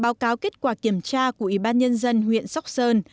báo cáo kết quả kiểm tra của ủy ban nhân dân huyện sóc sơn